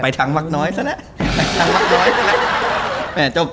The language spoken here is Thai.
ไปทั้งวักน้อยซะนะ